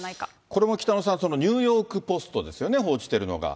これも北野さん、ニューヨーク・ポストですよね、報じてるのが。